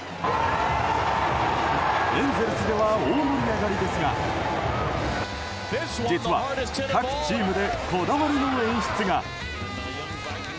エンゼルスでは大盛り上がりですが実は、各チームでこだわりの演出が。